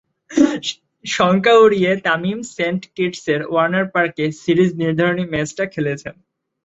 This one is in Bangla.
শঙ্কা উড়িয়ে তামিম সেন্ট কিটসের ওয়ার্নার পার্কে সিরিজ নির্ধারণী ম্যাচটা খেলেছেন।